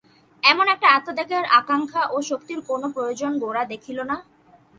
এমন একটা আত্মত্যাগের আকাঙক্ষা ও শক্তির কি কোনো প্রয়োজন গোরা দেখিল না?